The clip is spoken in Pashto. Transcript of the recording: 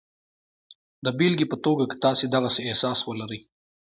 د بېلګې په توګه که تاسې د غسې احساس ولرئ